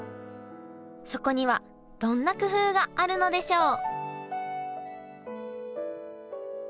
そこにはどんな工夫があるのでしょう？